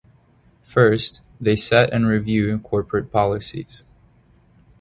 First, they Set and review corporate policies.